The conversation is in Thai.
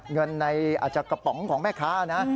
เงินในกระป๋องของแม่ค้านะ